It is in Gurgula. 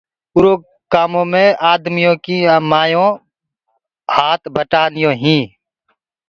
اُرو ڪآمو مي آدميآ ڪي مايونٚ هآت ونڊآ دِيونٚ هينٚ۔